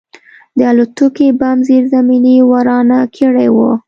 د الوتکې بم زیرزمیني ورانه کړې وه